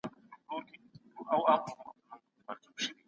د ژمي په سړه هوا کې ګل کوي.